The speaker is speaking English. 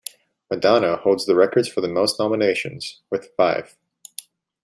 Madonna holds the record for the most nominations, with five.